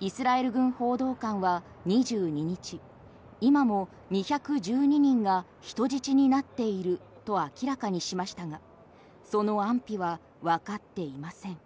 イスラエル軍報道官は２２日今も２１２人が人質になっていると明らかにしましたがその安否はわかっていません。